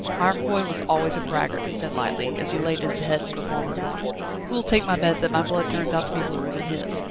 "Mirepoix was always a braggart," he said lightly, as he laid his head upon the block. "Who'll take my bet that my blood turns out to be bluer than his?"